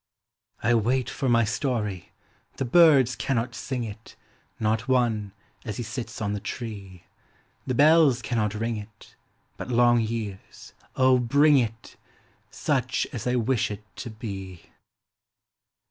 I wait for my story— the birds cannot sing it. Not one, as he sits on the tree; The bells cannot ring it, but long years, O, bring it! Such as I wish it to be.